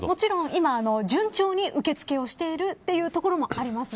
今、順調に受け付けをしているというところではあります。